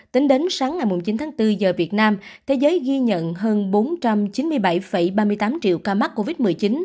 tính đến sáng ngày chín tháng bốn giờ việt nam thế giới ghi nhận hơn bốn trăm chín mươi bảy ba mươi tám triệu ca mắc covid một mươi chín